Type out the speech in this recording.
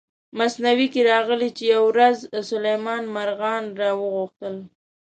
مثنوي کې راغلي چې یوه ورځ سلیمان مارغان را وغوښتل.